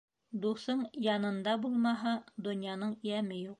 Дуҫың янында булмаһа, донъяның йәме юҡ.